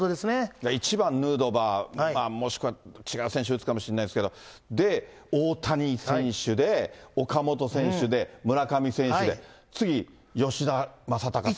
だから１番ヌードバー、もしくは違う選手打つかもしれないですけど、大谷選手で、岡本選手で、村上選手で、次、吉田正尚選手。